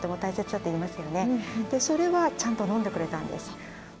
それはちゃんと飲んでくれたんです。